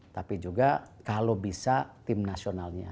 tapi juga kalau bisa tim nasionalnya